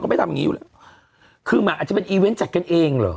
ไม่ทำอย่างงี้อยู่แล้วคือหมายอาจจะเป็นอีเวนต์จัดกันเองเหรอ